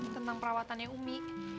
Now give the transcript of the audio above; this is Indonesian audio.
tentang perawatannya umi